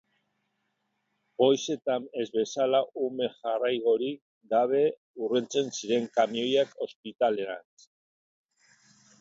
Goizetan ez bezala, ume jarraigorik gabe urruntzen ziren kamioiak ospitalerantz.